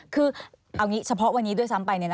คือเอางี้เฉพาะวันนี้ด้วยซ้ำไป